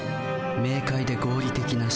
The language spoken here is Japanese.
明快で合理的な思考。